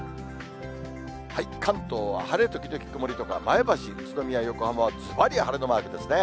関東は晴れ時々曇りとか、前橋、宇都宮、横浜はずばり晴れのマークですね。